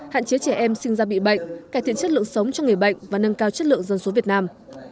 hạn chế trẻ em sinh ra bị bệnh cải thiện chất lượng sống cho người bệnh và nâng cao chất lượng dân số việt nam